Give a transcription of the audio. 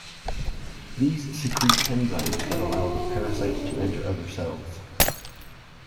These secrete enzymes that allow the parasite to enter other cells.